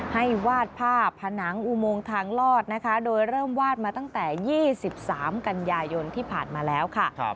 วาดภาพผนังอุโมงทางลอดนะคะโดยเริ่มวาดมาตั้งแต่๒๓กันยายนที่ผ่านมาแล้วค่ะ